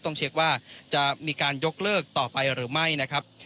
ต้องเช็คว่าจะมีการยกเลิกต่อไปหรือไม่นะครับ